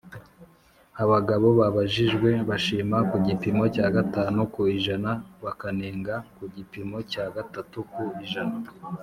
Abagabo babajijwe bashima ku gipimo cya gatanu ku ijana bakanenga ku gipimo cya gatatu ku ijana